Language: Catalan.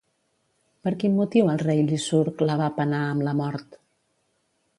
Per quin motiu el rei Licurg la va penar amb la mort?